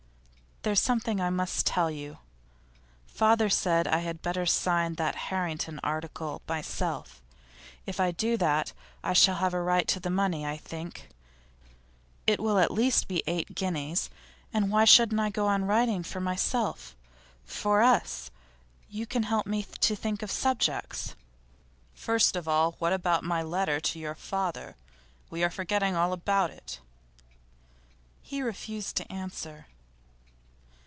'There's something I must tell you. Father said I had better sign that Harrington article myself. If I do that, I shall have a right to the money, I think. It will at least be eight guineas. And why shouldn't I go on writing for myself for us? You can help me to think of subjects.' 'First of all, what about my letter to your father? We are forgetting all about it.' 'He refused to answer.